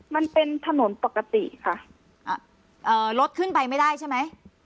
มันเป็นถนนปกติค่ะเอ่อรถขึ้นไปไม่ได้ใช่ไหม